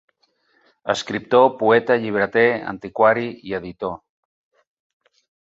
Escriptor, poeta, llibreter, antiquari i editor.